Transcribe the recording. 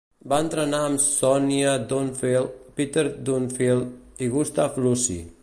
Va entrenar amb Sonia Dunfield, Peter Dunfield i Gustav Lussi.